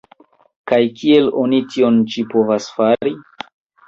Kaj kiel oni tion ĉi povas fari?